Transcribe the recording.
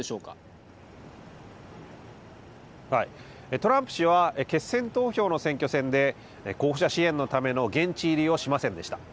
トランプ氏は決選投票の選挙戦で候補者支援のための現地入りをしませんでした。